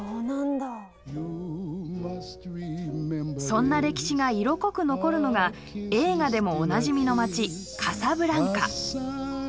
そんな歴史が色濃く残るのが映画でもおなじみの街カサブランカ。